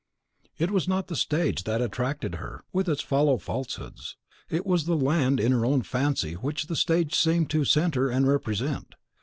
It was not the stage that attracted her, with its hollow falsehoods; it was the land in her own fancy which the stage seemed to centre and represent.